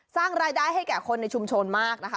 สร้างรายได้ให้แก่คนในชุมชนมากนะคะ